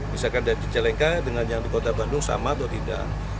misalkan dari cilengka dengan yang di kota bandung sama atau tidak